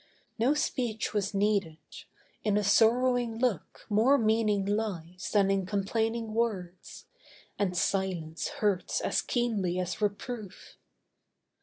No speech was needed. In a sorrowing look More meaning lies than in complaining words, And silence hurts as keenly as reproof.